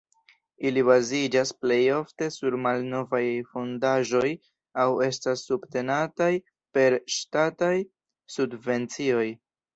Ili baziĝas plejofte sur malnovaj fondaĵoj aŭ estas subtenataj per ŝtataj subvencioj.